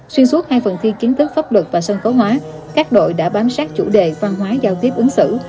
xuyên suốt hai phần thi kiến thức pháp luật và sân khấu hóa các đội đã bám sát chủ đề văn hóa giao tiếp ứng xử